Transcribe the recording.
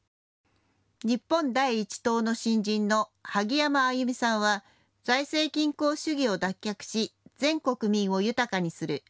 日本第一党の新人の萩山あゆみさんは財政均衡主義を脱却し、全国民を豊かにする。